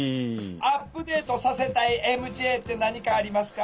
アップデートさせたいＭＪって何かありますか？